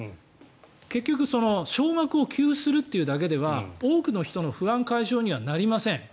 結局、少額を給付するというだけでは多くの人の不安解消にはなりません。